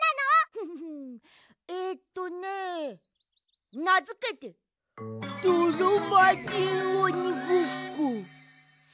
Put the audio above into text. ウフフえっとねなづけてどろまじんおにごっこさ！